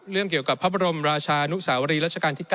เกี่ยวกับพระบรมราชานุสาวรีรัชกาลที่๙